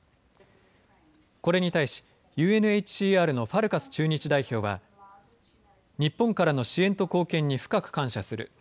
これに対し、ＵＮＨＣＲのファルカス駐日代表は日本からの支援と貢献に深く感謝する。